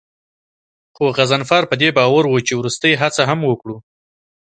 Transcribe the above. خو غضنفر په دې باور و چې وروستۍ هڅه هم وکړو.